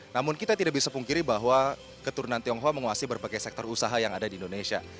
namun kita tidak bisa pungkiri bahwa keturunan tionghoa menguasai berbagai sektor usaha yang ada di indonesia